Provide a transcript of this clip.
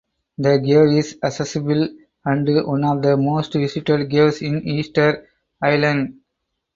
The cave is accessible and one of the most visited caves in Easter Island.